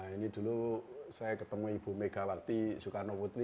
ini dulu saya ketemu ibu megawati soekarno putri